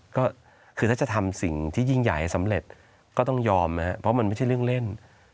ก็คือถ้าจะทำสิ่งที่ยิ่งใหญ่สำเร็จก็ต้องยอมนะครับเพราะมันไม่ใช่เรื่องเล่น